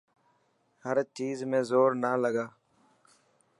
هر چيز ۾ زور نا لگا.